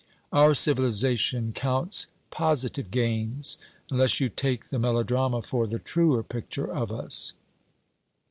Our civilization counts positive gains unless you take the melodrama for the truer picture of us.